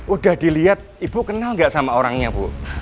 udah dilihat ibu kenal nggak sama orangnya bu